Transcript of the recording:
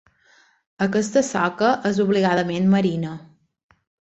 Aquesta soca és obligadament marina.